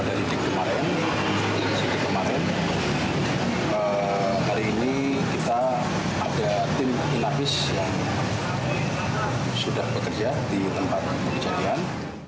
di situ kemarin hari ini kita ada tim inafis yang sudah bekerja di tempat kejadian